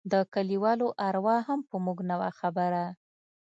د كليوالو اروا هم په موږ نه وه خبره.